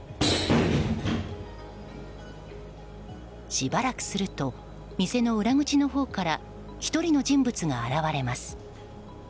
しばらくすると店の裏口のほうから１人の人物が現れます。